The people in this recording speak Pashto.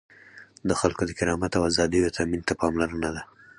د خلکو د کرامت او آزادیو تأمین ته پاملرنه ده.